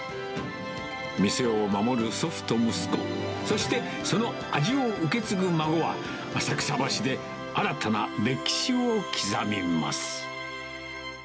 店を守る祖父と息子、そして、その味を受け継ぐ孫は、浅草橋で新たな歴史を刻みます。